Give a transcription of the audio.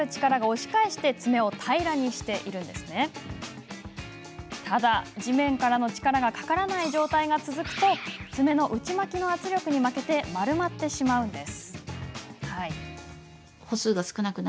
しかし、地面からの力がかからない状態が続くと爪の内巻きの圧力に負けて丸まってしまうんです。